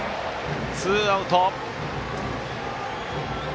ツーアウト。